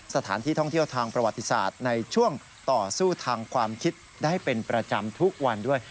สถานที่ท่องเที่ยวทางประวัติศาสตร์ในช่วงต่อสู้ทางความคิดได้เป็นประจำทุกวันด้วย